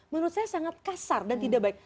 menurut saya sangat kasar dan tidak baik